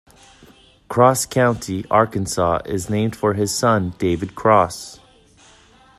Cross County, Arkansas is named for his son, David Cross.